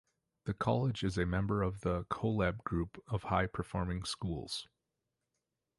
The college is a member of the Collab Group of high performing schools.